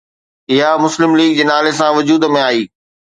اها مسلم ليگ جي نالي سان وجود ۾ آئي